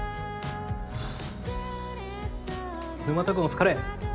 沼田君お疲れ。